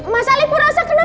masa libur rasa kenapa